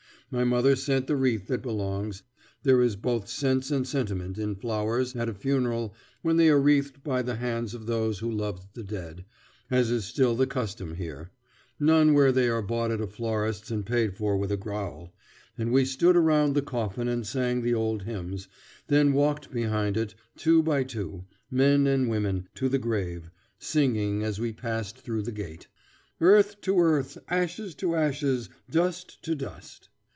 My mother sent the wreath that belongs, there is both sense and sentiment in flowers at a funeral when they are wreathed by the hands of those who loved the dead, as is still the custom here; none where they are bought at a florist's and paid for with a growl, and we stood around the coffin and sang the old hymns, then walked behind it, two by two, men and women, to the grave, singing as we passed through the gate. "Earth to earth, ashes to ashes, dust to dust."